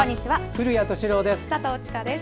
古谷敏郎です。